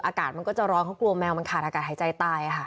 อากาศมันก็จะร้อนเขากลัวแมวมันขาดอากาศหายใจตายค่ะ